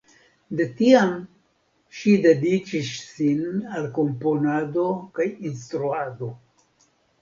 De tiam ŝi dediĉis sin al komponado kaj instruado.